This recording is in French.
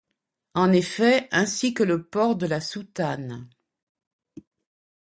En effet, ainsi que le port de la soutane.